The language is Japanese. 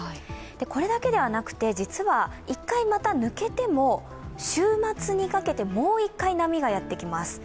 これだけではなくて実は、１回また抜けても週末にかけて、もう一回、波がやってきます。